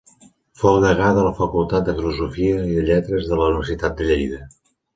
Fou degà de la facultat de filosofia i lletres de la Universitat de Lleida.